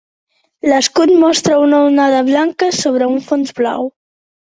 L'escut mostra una onada blanca sobre un fons blau.